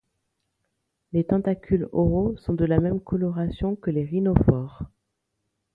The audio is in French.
Les tentacules oraux sont de la même coloration que les rhinophores.